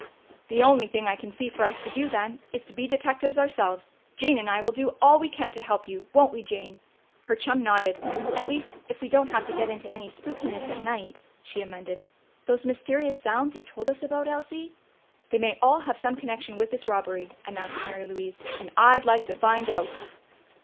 "The only thing I can see for us to do, then, is to be detectives ourselves. Jane and I will do all we can to help you, won't we, Jane?" Her chum nodded. "At least, if we don't have to get into any spookiness at night," she amended. "Those mysterious sounds you told us about, Elsie " "They may all have some connection with this robbery," announced Mary Louise. "And I'd like to find out!"